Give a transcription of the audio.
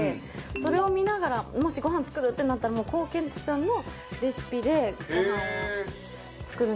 それを見ながらもしごはん作る！ってなったらコウケンテツさんのレシピでごはんを作るんです。